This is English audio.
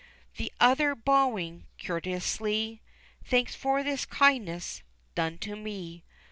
The other bowing courteously, "Thanks for this kindness done to me.